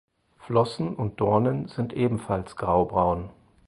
Flossen und Dornen sind ebenfalls graubraun.